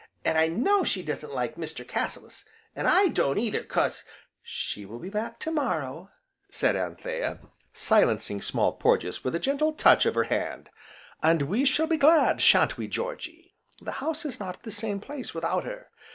An' I know she doesn't like Mr. Cassilis, an' I don't, either, 'cause " "She will be back to morrow," said Anthea, silencing Small Porges with a gentle touch of her hand, "and we shall be glad, sha'n't we, Georgy? The house is not the same place without her.